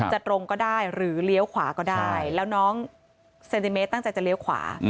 ตรงก็ได้หรือเลี้ยวขวาก็ได้แล้วน้องเซนติเมตรตั้งใจจะเลี้ยวขวา